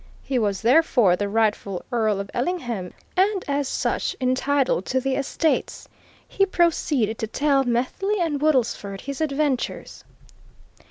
He was, therefore, the rightful Earl of Ellingham, and as such entitled to the estates. He proceeded to tell Methley and Woodlesford his adventures.